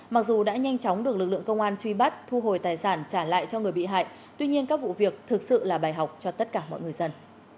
mặc dù đã nhanh chóng được lực lượng công an truy bắt thu hồi tài sản trả lại cho người bị hại tuy nhiên các vụ việc thực sự là bài học cho tất cả mọi người dân